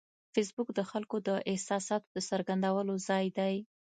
فېسبوک د خلکو د احساساتو د څرګندولو ځای دی